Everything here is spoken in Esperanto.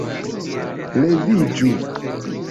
Leviĝu!